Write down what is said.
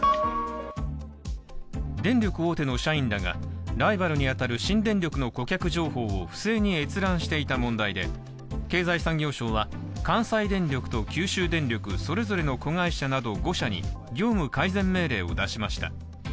電力大手の社員らがライバルに当たる新電力の顧客情報を不正に閲覧していた問題で経済産業省は関西電力と九州電力それぞれの子会社など５社に業務改善命令を出しました。